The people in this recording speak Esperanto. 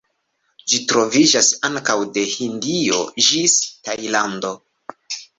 Ĝi troviĝas ankaŭ de Hindio ĝis Tajlando.